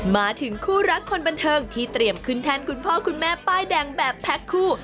มาถึงคู่รักคนบันเทิงที่เตรียมขึ้นแทนคุณพ่อคุณแม่ป้ายแดงแบบแพ็คคู่